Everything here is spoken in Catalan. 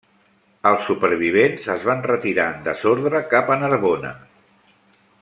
Els supervivents es van retirar en desordre cap a Narbona.